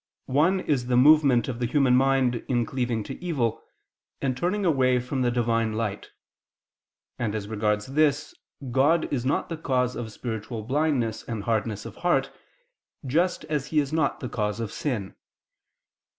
One is the movement of the human mind in cleaving to evil, and turning away from the Divine light; and as regards this, God is not the cause of spiritual blindness and hardness of heart, just as He is not the cause of sin.